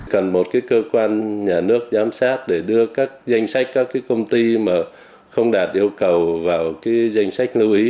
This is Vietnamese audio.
cần một cơ quan nhà nước giám sát để đưa các danh sách các cái công ty mà không đạt yêu cầu vào danh sách lưu ý